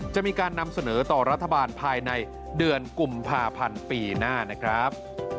จะมีการนำเสนอต่อรัฐบาลภายในเดือนกุมภาพันธ์ปีหน้านะครับ